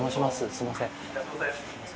すみません。